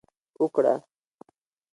وکړه